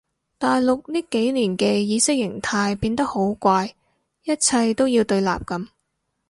大陸呢幾年嘅意識形態變得好怪一切都要對立噉